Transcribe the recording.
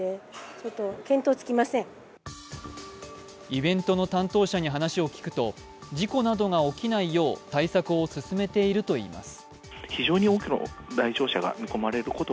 イベントの担当者に話を聞くと、事故などが起きないよう対策を進めているといいます。